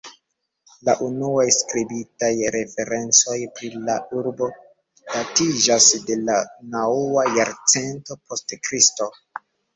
La unuaj skribitaj referencoj pri la urbo datiĝas de la naŭa jarcento post Kristo.